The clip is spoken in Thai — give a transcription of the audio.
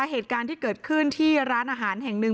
เหตุการณ์ที่เกิดขึ้นที่ร้านอาหารแห่งหนึ่ง